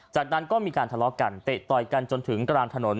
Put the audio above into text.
จากนั้นก็มีการทะเลาะกันเตะต่อยกันจนถึงกลางถนน